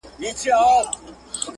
د دوى دا هيله ده چي.